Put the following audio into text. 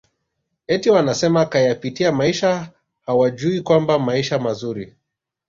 eti wanasema kayapatia maisha hawajui kwamba maisha mazuri